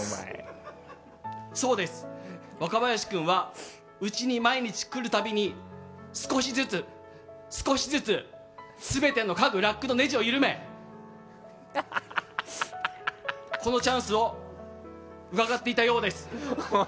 そうです、若林君はうちに毎日来るたびに少しずつ少しずつ全ての家具ラックのねじを緩めこのチャンスをうかがっていたようです。